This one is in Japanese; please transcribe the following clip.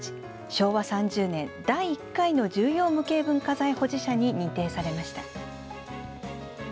昭和３０年第１回の重要無形文化財保持者に認定されました。